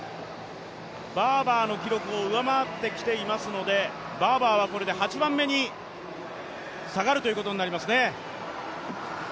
バーバーの記録を上回ってきていますのでバーバーはこれで８番目に下がることになりますね。